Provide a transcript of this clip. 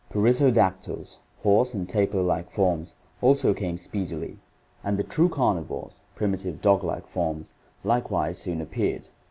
Perissodactyls — horse and tapir like forms — also came speed ily, and the true canrvores — primitive dog like forms — likewise soon appeared.